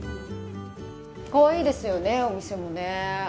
可愛いですよね、お店も。